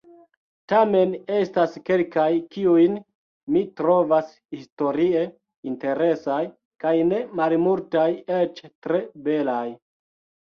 Tamen estas kelkaj, kiujn mi trovas historie interesaj, kaj ne malmultaj eĉ tre belaj.